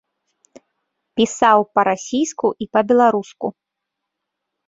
Пісаў па-расійску і па-беларуску.